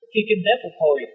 khi kinh tế phục hồi